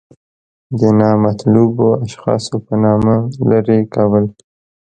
د نامطلوبو اشخاصو په نامه لرې کړل.